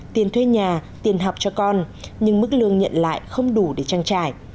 tiền thuê nhà tiền học cho con nhưng mức lương nhận lại không đủ để trang trải